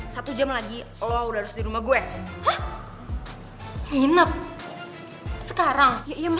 sampai jumpa di video selanjutnya